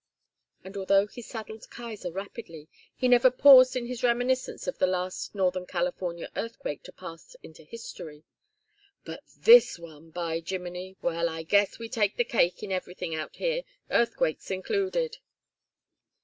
And although he saddled Kaiser rapidly, he never paused in his reminiscence of the last Northern California earthquake to pass into history. "But this one! By Jiminy! Well, I guess we take the cake in everything out here, earthquakes included."